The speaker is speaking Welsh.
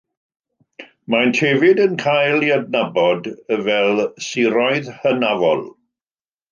Maent hefyd yn cael eu hadnabod fel “siroedd hynafol”.